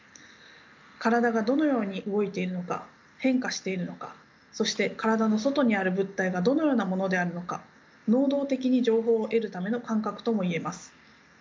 体がどのように動いているのか変化しているのかそして体の外にある物体がどのようなものであるのか能動的に情報を得るための感覚ともいえます。